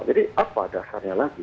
jadi apa dasarnya lagi